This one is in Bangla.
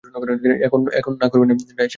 এখন না করবেন না, বেয়াই সাহেব।